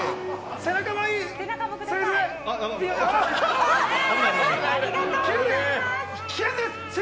背中もいい。